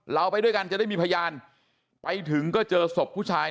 เราไปด้วยกันจะได้มีพยานไปถึงก็เจอศพผู้ชาย